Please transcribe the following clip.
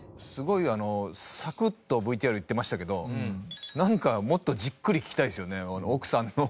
すごいサクッとＶＴＲいってましたけどなんかもっとじっくり聞きたいですよね